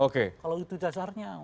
kalau itu dasarnya